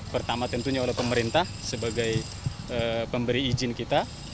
pertama tentunya oleh pemerintah sebagai pemberi izin kita